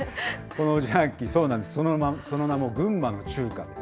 この自販機、そうなんです、その名も群馬の中華。